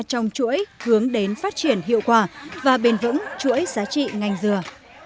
trong chuỗi hướng đến phát triển hiệu quả và bền vững chuỗi giá trị ngành dừa